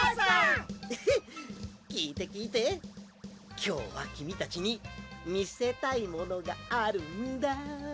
きょうはきみたちにみせたいものがあるんだ！